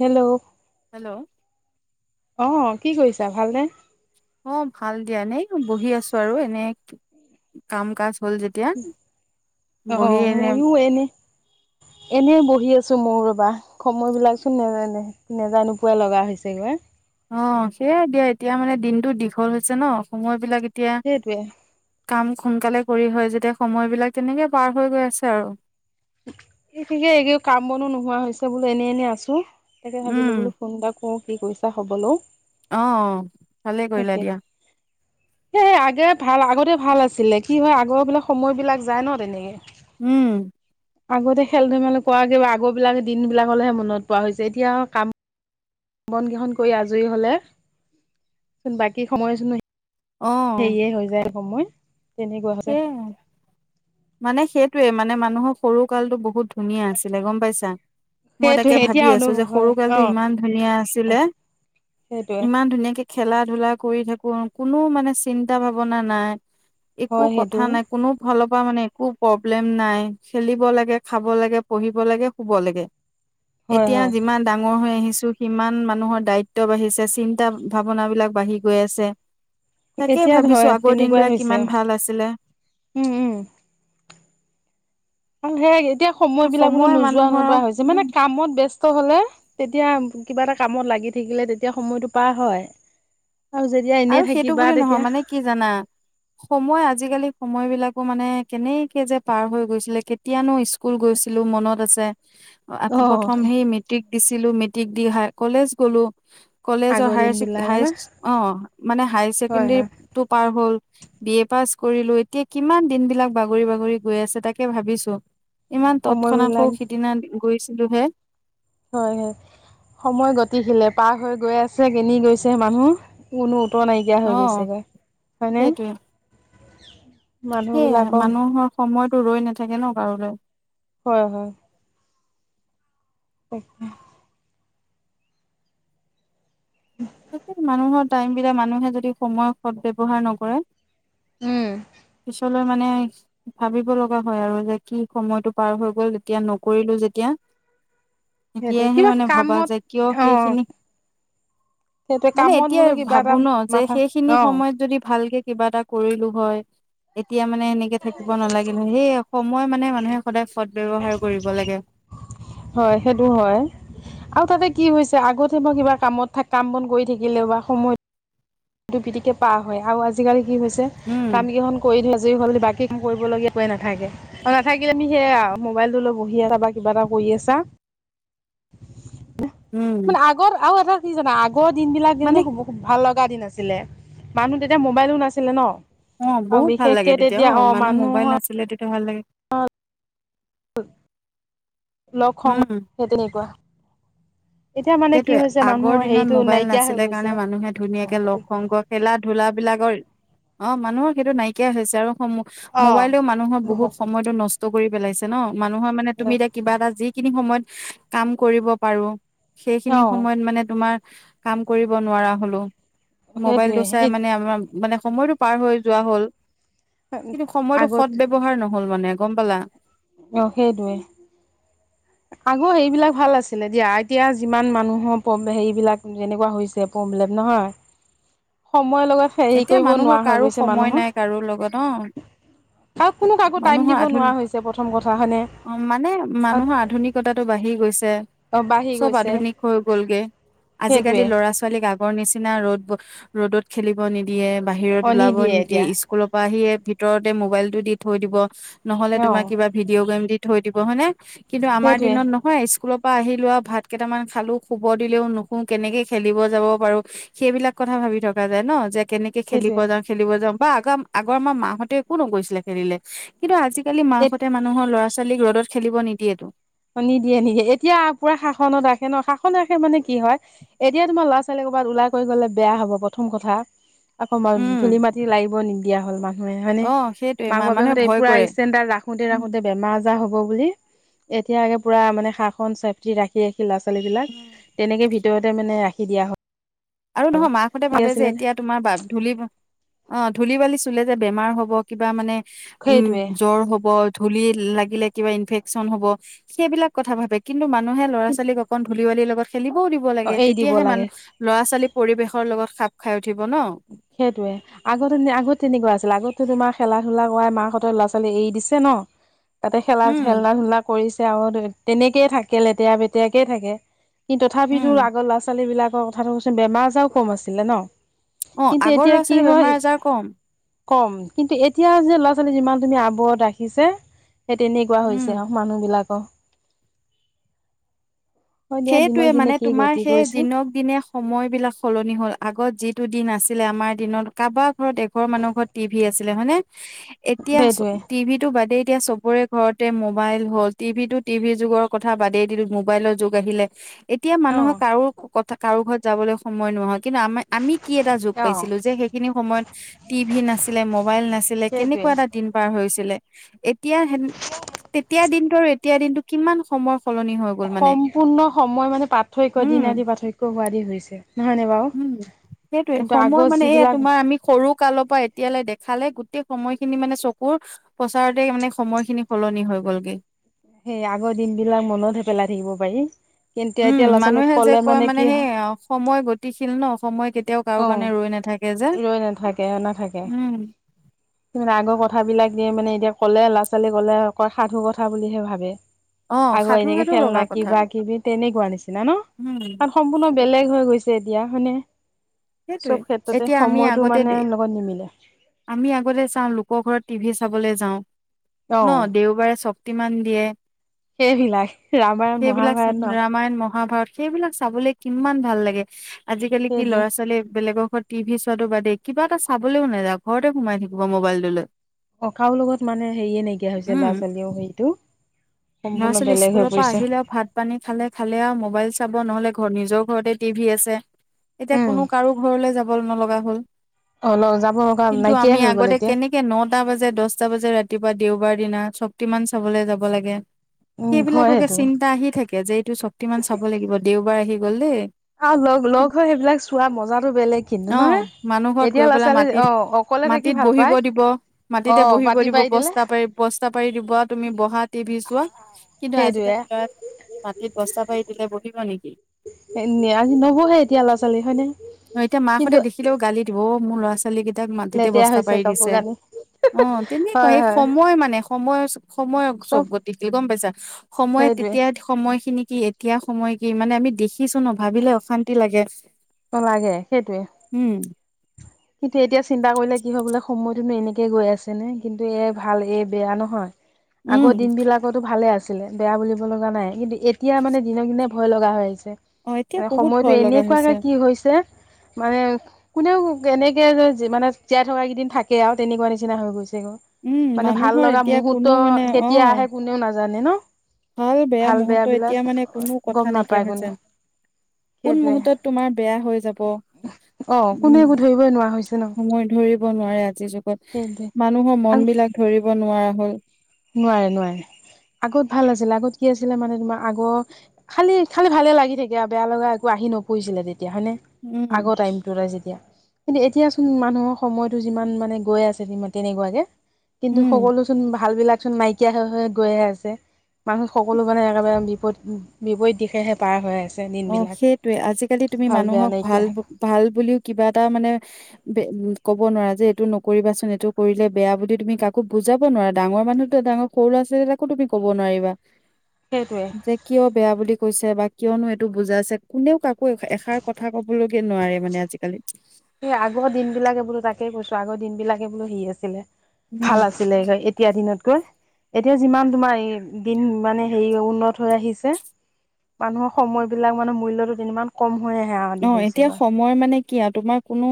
Hello. Hello. অ', কি কৰিছা ভালনে? অঁ ভাল দিয়া নেই বহি আছো আৰু এনেই কাম কাজ হ'ল যে অঁহ, ময়ো এনেই এনেই বহি আছোঁ মইও ৰবা, সময় বিলাকচোন নেজানে। নেজাই নোপোৱাই লগা হৈছেগৈ। অঁ', সেয়াই দিয়া এতিয়া মানে দিনটো দীঘল হৈছে ন' সময় বিলাক এতিয়া সেইটোৱে কাম সোনকালে কৰি হয় যেতিয়া সময় বিলাক তেনেকে পাৰ হৈ গৈ আছে আৰু। এই ঠিকে এই কাম বনো নোহোৱা হৈছে বোলো এনেই এনেই আছো, তাকে ভাবিলো উম বোলো ফোন এটা কৰোঁ কি কৰিছা খবৰ লওঁ। অ', অ'। তাকে এই আগে ভাল আগতে ভাল আছিলে। কি হয়, আগৰ বিলাক সময় বিলাক যায় ন' তেনেকে। উম। আগতে খেল-ধেমালি কৰা, আগৰ বিলাক দিন বিলাকলৈহে মনত পৰা হৈছে এতিয়া আৰু কাম বন কেখন কৰি আজৰি হ'লে, বাকী সময়চোন অ হেৰীয়ে হৈ যায় সময়। তেনেকুৱা হৈছে সেইয়াই। মানে সেইটোৱে, মানে মানুহৰ সৰু কালটো বহুত ধুনীয়া আছিলে গম পাইছা? মই সেইটোৱে তাকে এতিয়া ভাবি আছো যে, অনুভৱ সৰু হয় অ কালটো ইমান ধুনীয়া আছিলে। সেইটোৱে ইমান ধুনীয়াকে খেলা-ধূলা কৰি থাকো, কোনো মানে চিন্তা ভাৱনা নাই। একো হয় সেইটো কথা নাই। কোনো ফালৰ পৰা মানে একো প্ৰব্লেম নাই, খেলিব লাগে, খাব লাগে, পঢ়িব লাগে, শুব লাগে। [inaudible] এতিয়া হয় যিমান ডাঙৰ হৈ আহিছো। সিমান মানুহৰ দায়িত্ব বাঢ়িছে, চিন্তা ভাৱনা বিলাক বাঢ়ি গৈ আছে। তাকে এতিয়া ভাবিছো হয় আগৰ দিন তেনেকুৱাই বিলাক হৈছে কিমান ভাল আছিলে। উম, উম। আৰু সেই এতিয়া সময় বিলাক বোলো নোযোৱা মানুহৰ নোপোৱা হৈছে, মানে উম কামত ব্যস্ত হ'লে তেতিয়া কিবা এটা কামত লাগি থাকিলে, তেতিয়া সময়টো পাৰ হয়। আৰু যেতিয়া আৰু এনেই সেইটো থাকিবা বুলি নহয় তেতিয়া মানে কি জানা, সময় আজিকালি সময় বিলাকো মানে কেনেকে যে পাৰ হৈ গৈছিলে কেতিয়ানো স্কুল গৈছিলো, মনত আছে। অ প্ৰথম সেই মেট্ৰিক দিছিলো, মেট্ৰিক দি হাই কলেজ গ'লো। কলেজৰ আগৰ দিন হাই-হাই বিলাকলে অ', মানে হাই হয় ছেকেণ্ডাৰী হয় টো পাৰ হ'ল। বি এ পাছ কৰিলো, এতিয়া কিমান দিন বিলাক বাগৰি বাগৰি গৈ আছে, তাকে ভাবিছো। ইমান তৎক্ষণাত সৌ সময়বিলাক সিদিনা গৈছিলো হে। হয়, হয়, সময় গতিশিলে পাৰ হৈ গৈ আছে, কেনি গৈছে মানুহ কোনো উত্তৰ নাইকিয়া অ হৈ গৈছেগৈ, হয়নে? সেইটোয়ে সেইয়াই, মানুহবিলাকক মানুহৰ সময়তো ৰৈ নাথাকে ন' কাৰোলৈ। হয়, হয়। [unintelligible] [inaudible] মানুহৰ টাইম বিলাক, মানুহে যদি সময় সদ ব্যৱহাৰ নকৰে, উম। মই মানে ভাবিব লগা হয় আৰু যে কি সময়টো পাৰ হৈ গ'ল এতিয়া নকৰিলোঁ যেতিয়া। সেইটোৱে, এতিয়াহে কিবা মানে ভবা কামত যে কিয় আহ অঁ সেইখিনি মানে এতিয়া এটা ভাবোঁ ন, যে মাথা সেইখিনি অ সময়ত যদি ভালকে কিবা এটা কৰিলোঁ হয়, এতিয়া মানে এনেকে থাকিব নালাগিলে হৈ। সেইয়া সময় মানে মানুহে সদায় সদ ব্যৱহাৰ কৰিব লাগে। হয়, সেইটোও হয়। আৰু তাতে কি হৈছে আগতে বা কিবা কামত কাম বন কৰি থাকিলেও বা সময়, টো পিটিকে পাৰ হয়, আৰু আজিকালি কি হৈছে উম কাম কেইখন কৰি থৈ যি হ'ল বাকী কাম কৰিব লগীয়া, নাথাকে আৰু নাথাকিলে আমি সেইয়াই মোবাইলটো লৈ বহি আছা বা কিবা এটা কৰি আছা। উম মানে, আগৰ আৰু এটা কি জানা, আগৰ দিন বিলাক মানে যে, ভাল লগা দিন আছি ছিলে, মানুহ তেতিয়া মোবাইলো নাছিলে ন'। অ', আৰু বহুত ভাল বিশেষকে লাগে, তেতিয়া অ', মানুহ মোবাইল মানুহৰ নাছিলে, তেতিয়া ভাল লাগে। লক [unintelligible] উম হেই তেনেকুৱা। এতিয়া মানে কি সেইটোয়ে হৈছে, আগৰ মানুহৰ দিনত হেৰিটো মোবাইল নাইকিয়া নাছিলে হৈ গৈছে। খেলা-ধূলা বিলাকৰ, অ', মানুহৰ সেইটো নাইকিয়াই হৈছে, আৰু সময়, মোবাইলেও মানুহৰ বহুত সময়টো নষ্ট কৰি পেলাইছে ন', মানুহৰ মানে তুমি দে কিবা এটা, যিখিনি সময়ত কাম কৰিব পাৰোঁ, অ সেইখিনি অ সময়ত মানে তোমাৰ কাম কৰিব নোৱাৰা হ'লো, সেইটোৱে মোবাইলটো চাই এই মানে আমাৰ মানে সময়টো পাৰ হৈ যোৱা হ'ল, কিন্তু সময়টো আগত সৎ ব্যৱহাৰ নহ'ল মানে গম পালা? অ', সেইটোৱে। আগৰ সেইবিলাক ভাল আছিলে দিয়া, এতিয়া যিমান মানুহৰ প্ৰ, হেৰিবলাক যেনেকুৱা হৈছে, প্ৰব্লেম নহয়। সময় লগাত এতিয়া মানুহৰ কাৰো সময় নাই, কাৰো লগত অ'। আৰু কোনো কাকো টাইম মানুহৰ দিব নোৱাৰা আধুনিক, হৈছে প্ৰথম কথা হয়নে অ', মানে মানুহৰ আধুনিক কটা টো বাঢ়ি গৈছে বাঢ়ি চব গৈছে আধুনিক হৈ গলগে আজিকালি সেইটোৱে ল'ৰা ছ ছোৱালীক আগৰ নিচিনা ৰ'দ, ৰ'দত খেলিব নিদিয়ে, বাহিৰত অ ওলাব নিদিয়ে, এতিয়া স্কুল স্কুলৰ পৰা আহিয়ে ভিতৰতে মোবাইলটো দি থৈ দিব, নহ'লে অ টোমাৰ কিবা ভিডিঅ' গেম দি থৈ দিব হয় নে, কিন্তু আমাৰ সেইটোৱে দিনত ন হয়, স্কুলৰ পৰা আহিলোঁ আৰু, ভাত কেইটামান খালোঁ, শুব দিলেওঁ নুসো, কেনেকৈ খেলিব যাব পাৰোঁ সেইবিলাক কথা ভাবি থকা যায় ন'। যে কেনেকে খেলিব যাওঁ, সেইটোৱে খেলিব যাওঁ, বা আগ, আগৰ আমাৰ মাহঁতে একো নকৈছিলে খেলিলে, কিন্তু আজি কালি মাকহঁতে মানুহৰ ল'ৰা-ছোৱালীক ৰদত খেলিব নিদিয়েতো। নিদিয়ে, নিদিয়ে, এতিয়া পুৰা শাসনত ৰাখে ন', শাসন ৰাখে মানে কি হয় এতিয়া তোমাৰ ল'ৰা-ছোৱালী ক'ৰবাত ওলাই কৰি গ'লে বেয়া হব প্ৰথম কথা। আকৌ উম। ধূলি-মাটি লাগিব নিদিয়া হ'ল মানুহে, হয় নে। অ', সেইটোৱে মা মানুহে মাক-বাপেকহঁতে এই ভয় পুৰা কৰে। ষ্টেণ্ডাৰ উম, ৰাখোতে-ৰাখোতে, বেমাৰ আজাৰ হ'ব বুলি এতিয়া একে পুৰা মানে সাখন চেফটি ৰাখি, ৰাখি, ল'ৰা-ছোৱালীবিলাক উম, তেনেকে ভিতৰতে মানে ৰাখি দিয়া হয়। আৰু নহয়, মাকহঁতে কি ভাবে যে আছিলে এতিয়া তোমাৰ ধূলি, অ', ধূলি বালি চুলে যে বেমাৰ হব। কিবা মানে, উম, সেইটোৱে জ্বৰ হব। ধূলি লাগিলে কিবা ইনফ্ৰচন হ'ব, সেইবিলাক কথা ভাবে, মানুহে কিন্তু ল'ৰা-ছোৱালীক অকন ধুলি-বালিৰ লগত খেলিবও দিব অ লাগে, এৰি দিব তেতিয়াহে লাগে মানুহ, ল'ৰা-ছোৱালী পৰিৱেশৰ লগত খাপ খাই উঠিব ন'। সেইটোৱে। আগতে, আগত তেনেকুৱা আছিলে, আগতে তোমাৰ খেলা-ধূলা কৰাই মাহঁতে ল'ৰা-ছোৱালী এৰি দিছে ন'। তাতে খেলা, উম, খেলা-ধূলা কৰিছে, আৰু তেনেকেয় থাকিল, লেতেৰা-বেতেৰাকেই থাকে। কিন্ত, উম, তথাপিতো আগৰ ল'ৰা-ছোৱালী বিলাকৰ কথাটো কচোন বেমাৰ আজাৰও কম আছিলে ন'। অ', কিন্তু আগৰ এতিয়া কি ল'ৰা-ছোৱালীৰ হয় বেমাৰ আজাৰ কম। কম, কিন্তু এতিয়া যে ল'ৰা-ছোৱালী যিমান তুমি আৱৰত ৰাখিছে। সেই তেনেকুৱা উম। হৈছে, আৰু মানুহ বিলাকৰ। দিনক সেইটোয়ে দিনে মানে কি তোমাৰ গতি সেই কৰিছে দিনক দিনে সময়বিলাক সলনি হ'ল, আগত যিটো দিন আছিলে, আমাৰ দিনত কাৰোবাৰ ঘৰত এঘৰ মানুহ ঘৰত টিভি আছিলে, হয় নে। [inaudible] এতিয়া চ সেইটোৱে টিভি টো বাদেই দিয়া এতিয়া চব চবৰে ঘৰতে মোবাইল হ'ল টিভি টো টিভিৰ যুগৰ কথা বাদেই দিলো মোবাইলৰ যুগ আহিলে এতিয়া অ মানুহে কাৰো কথা কাৰো ঘৰত যাবলৈ সময় নহয় কিন্তু আমাৰ আমি কি এটা যুগ অ পাইছিলো যে সেইখিনি সময়ত টিভি নাছিলে মবাইল নাছিলে সেইটোৱে কেনেকুৱা এটা দিন পাৰ হৈছিলে এতিয়া হেন তেতিয়া দিনটো আৰু এতিয়া দিনটো কিমান সময় সলনি হ'ল সম্পূৰ্ণ সময় মানে পাৰ্থক্য উম দিন আদি পাৰ্থক্য হোৱাদি হৈছে নহয় নে বাৰু সেইটোয়ে কিন্তু সময় আগৰ মানে এয়া যিবিলাক তোমাৰ আমি সৰু কালৰ পৰা এতিয়ালে দেখালে গোটেই সময়খিনি মানে চকুৰ প্ৰচাৰতে মানে সময় খিনি সলনি হৈ গ'লগে সেই আগৰ দিন বিলাক মনতে হে পেলাই থাকিব পাৰিম উম মানুহে যে কয় মানে সেই হয় অ সময় গ গতিশীল ন সময় কেতিয়াও কাৰো অ কাৰণে ৰৈ নাথাকে যে ৰৈ নাথাকে নাথাকে উম [unintelligible] আগৰ কথাবিলাক দিয়ে মানে এতিয়া ক'লে ল'ৰা ছোৱালী ক'লে অকল সাধু কথা বুলিহে ভাবে অ', আগৰ সাধু এনেকে সাধু লগা খেলনা কথা কিবা কিবি তেনেকুৱা নিচিনা ন উম, কাৰণ সম্পূৰ্ণ বেলেগ হৈ গৈছে তেতিয়া মানে সেইটোৱে এতিয়া আমি আগতে মানে দে লগত নিমিলে আমি আগতে চাওঁ লোকৰ ঘৰত টিভি চাবলে যাওঁ অ ন দেওবাৰে চক শক্তিমান দিয়ে সেইবিলাক ৰামায়ণ সেইবিলাক চাও মহাভাৰত ন ৰামায়ণ মহাভাৰত সেইবিলাক চাবলে কিমান ভাল লাগে আজিকালি কি সেইটোৱে ল'ৰা ছোৱালী বেলেগৰ ঘৰত টিভি চোৱাটো বাদেই কিবা এটা চাবলৈও নাযায় ঘৰতে সোমাই থাকিব মোবাইলটো লৈ অ কাৰো লগত মানে হেৰিয়ে নাইকিয়া হৈছে উম ল'ৰা ছোৱালীয়ৰ হেৰিটো ল'ৰা সম্পূৰ্ণ ছোৱলী বেলেগ হৈ স্কুলৰ পৰা পৰিছে। আহিলে ভাত ভাত পানী খালে খালে আউ মোবাইল চাব নহলে ঘৰ নিজৰ ঘৰতে টিভি আছে এতিয়া উম কোনো কাৰো ঘৰলে যাব নলগা হল অ লগ যাব লগা নাইকিয়াই হৈ গ'ল এতিয়া এ নটা বাজে দছটা বাজে ৰাতিপুৱা দেওবাৰ দিনা শক্তিমান চাবলে যাব লাগে উম হয় সেইবিলাককে সেইটো চিন্তা আহি থাকে যে এইটো শক্তিমান চাব লাগিব দেওবাৰ আহি গল দেই আউ লগ লগ হৈ সেইবিলাক চোৱা মজাতো বেলেগ কিন্তু অ নহয়। মানুহৰ ঘৰত এতিয়া গৈ ল'ৰা পেলাই ছোৱালী অ মাটিত অকলে থাকি মাটিত ভাল বহিব পায় দিব অ মাটিতে বহিব পাতি দিব পাৰি দিলে। বস্তা পাৰি বস্তা পাৰি দিব আউ তুমি বহা টিভি চোৱা কিন্তু সেইটোয়ে আজিকালি ল'ৰাক মাটিত বস্তা পাৰি দিলে বহিব নিকি এ নেআ নবহে এতিয়া ল'ৰা ছোৱালী হয়নে অ এতিয়া মাকহঁতে কিন্তু দেখিলেও গালি দিব অ মোৰ ল'ৰা ছোৱালী কেই তাক মাটিতে লেতেৰা বস্তা হৈছে পাৰি কাপোৰ দিছে কানি অ তেনেকুৱা হয় সেই হয় সময় মানে সময়ছ সময় চব গতিশীল গম পাইছা সময়ে সেইটোৱে তেতিয়া সময় খিনি কি এতিয়া সময় কি মানে আমি দেখিছো ন ভাবিলে অশান্তি লাগে অ লাগে সেইটোৱে উম কিন্তু এতিয়া চিন্তা কৰিলে কি হয় বোলে সময়টোনো এনেকে গৈ আছে তেনে কিন্তু এ ভাল এই বেয়া নহয় উম আগৰ দিন বিলাক আগটো ভালে আছিলে বেয়া বুলিব লগা নাই কিন্তু এতিয়া মানে দিনক দিনে ভয় লগা হৈ আহিছে অ এতিয়া মানে বহুত সময়টো ভয় লগা হৈছে এনেকুৱাকে কি হৈছে মানে কোনেও কেনেকে যে জীৱনত জীয়াই থকা কেইদিন থাকে আৰু তেনেকুৱা নিচিনা হৈ গৈছে ক উম মানুহৰ এতিয়া কোনো মানে, অ। কেতিয়া আহে কোনেও নাজানে ন। হয় বেয়া ভাল মুহৰ্ত বিলাক এতিয়া মানে কোনো গম কথা নাইকিয়া নাপায় হয় কোনেও যেন। কোন সেইটোৱে মুহুৰ্তত তোমাৰ বেয়া হৈ যাব। অ কোনে উম একো ধৰিবই নোৱাৰা হৈছে ন সময় ধৰিব নোৱাৰে আজিৰ যুগত মানুহৰ সেইটোৱে। মনবিলাক ধৰিব নোৱাৰা হ'ল। নোৱাৰে নোৱাৰে, আগত ভাল আছিলে আগত কি আছিলে মানে তোমাৰ আগ খালি খালি ভালে লাগি থাকে আৰু বেয়া লগা একো নপৰিছিলে তেতিয়া হয়নে? উম, আগৰ টাইমটোতে যেতিয়া। কিন্তু এতিয়া চোন মানুহৰ সময়টো যিমান মানে গৈ আছে তেনেকুৱাকে কিন্তু উম। সকলো চোন ভালবিলাক চোন নাইকিয়া হৈ গৈহে আছে মানুহ সকলো মানে একেবাৰে বিপদ বিপৰীত দিশেহে তাই হৈ আছে নি অ সেইটোৱে আজিকালি তুমি মানুহক ভাল নাইকিয়া ভাল বুলিও কিবা এটা মানে উম ক'ব নোৱাৰা যে এইটো নকৰিবাচোন এইটো কৰিলে বেয়া বুলি তুমি কাকো বুজাব নোৱাৰা ডাঙৰ মানুহতো ডা সৰু লৰা-ছোৱালী এটাকো তুমি ক'ব নোৱাৰিবা। সেটোৱে। যে কিয় বেয়া বুলি কৈছে বা কিয়নো এইট টো বুজাইছে কোনেও কাকো এষাৰ কথা ক'বলৈকে নোৱাৰে মানে আজিকালি। সেই আগৰ দিনবিলাকে বোলো তাকে কৈছো আগৰ দিনবিলাকে বোলো সেই আছিলে উম ভাল আছ ছিলে এতিয়াৰ দিনতকৈ। এতিয়া যিমান তোমাৰ ই দিন মানে হেৰি উন্নত হৈ আহিছে মানুহৰ সময়বিলাক মানে মূল্যতো তিমান কম হৈয়ে আহা আদি হৈছেগৈ। মই মানে কি আ তোমা কোনো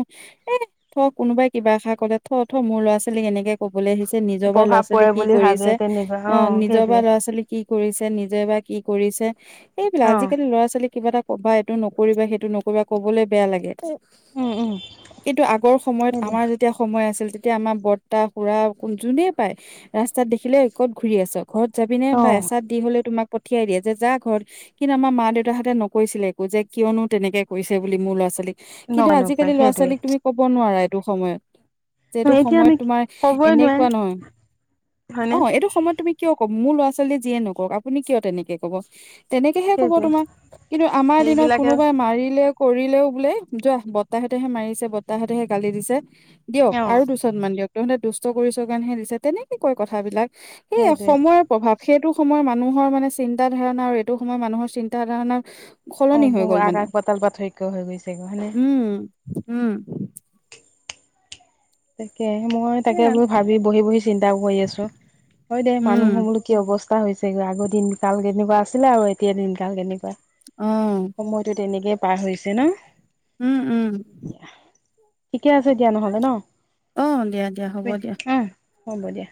এ থ কোনোবাই কিবা এষাৰ কলে থ থ মোৰ ল'ৰা-ছোৱালী এনেকে ক'বলে আহিছে নিজৰ বা প্ৰভাৱ ল'ৰা-ছোৱালী পৰে কি বুলি কৰি ভাবে আছে। তেনেকুৱা অ নিজৰ বা সেইটোৱে ল'ৰা-ছোৱালী কি কৰিছে নিজে বা কি কৰিছে এইবিলাক অ আজিকালি ল'ৰা-ছোৱালী কিবা এটা কবা এইটো নকৰিবা সে টো নকৰিবা ক'বলে বেয়া লাগে। উম উম কিন্তু আগৰ সময়ত সেইটোৱে আমাৰ যেতিয়া সময় আছিল তেতিয়া আমাৰ বৰ্তা খুৰা যোনেই পায় ৰাস্তাত দেখিলে ক'ত ঘূৰি আছ ঘৰত যাবি নে অ বা এচাত দি হ'লেও তোমাক পঠিয়াই দিয়ে যে, যা ঘৰত কিন্তু আমাৰ মা দেউতাহঁতে নকৈছিলে একো যে কিয়নো তেনেকে কৈছে বুলি মোৰ ল'ৰা-ছোৱালীক কিন্তু নকয় নকয় আজিকালি সেইটোৱে ল'ৰা-ছোৱালীক তুমি ক'ব নোৱাৰা এইটো সময়ত। যে এইটো এতিয়া সময়ত আমি তোমাৰ ক'বই নোৱাৰে এনেকুৱা নহয় হয়নে অ এইটো সময়ত তুমি কিয় ক'ব মোৰ ল'ৰা-ছোৱালীয়ে যিয়ে নকৰক আপুনি কিয় তেনেকে ক'ব। তেনেকেহে ক'ব সেইটোৱে তোমাক কিন্তু আমাৰ দিনত কোনো সেইবিলাকে মাৰিলে কৰিলেও বোলে যোৱা বৰ্তাহতেহে মাৰিছে বৰ্তাহতেহে গালি দিছে। দিয়ক অ আৰু দুচাটমানা দিয়ক তহঁতে দুষ্ট কৰিছ কাৰণেহে দিছে তেনেকে কয় কথাবিলাক। সে সেইটোৱে অসময়ত প্ৰভাৱ সেইটো সময় মানুহৰ মানে চিন্তাধাৰণা আৰু এইটো সময় মানুহৰ চিন্তাধাৰণাৰ অ খলনি হৈ বহু গ'ল। মানে আকাশ পতল পাৰ্থক্য হৈ গৈছে হয়নে? উম উম। তাকে মই তাকে সেয়া বুলি ভাবি বহি বহি চিন্তাও কৰি আছো, হয় দেই উম মানুহ বোলো কি অৱস্থা হৈছেগৈ আগৰ দিন কাল কেনেকুৱা আছিলে আৰু এতিয়া দিনকাল কেনেকুৱা। অ। সময়টো তেনেকে পাৰ হৈছে ন'? উম উম ঠিকে আছে দিয়া নহলে ন'? অঁ দিয়া দিয়া হ'ব দিয়া হ'ব দিয়া।